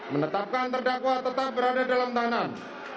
menetapkan terdakwa tetap berada dalam tahanan